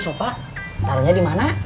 soppa tanya di mana